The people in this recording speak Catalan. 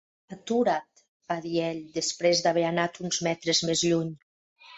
"Atura't!", va dir ell, després d'haver anat uns metres més lluny.